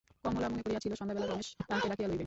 কমলা মনে করিয়াছিল, সন্ধ্যাবেলায় রমেশ তাহাকে ডাকিয়া লইবে।